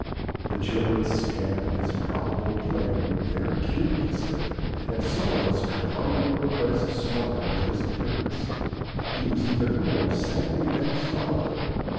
The children scanned this probable playmate very curiously, and some of us could hardly repress a smile at his appearance. He was even more sandy than his father.